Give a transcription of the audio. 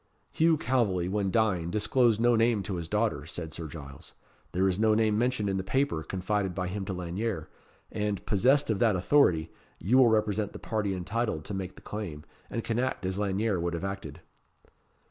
"Hugh Calveley, when dying, disclosed no name to his daughter," said Sir Giles. "There is no name mentioned in the paper confided by him to Lanyere; and, possessed of that authority, you will represent the party entitled to make the claim, and can act as Lanyere would have acted."